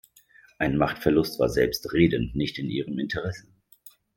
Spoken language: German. Ein Machtverlust war selbstredend nicht in ihrem Interesse.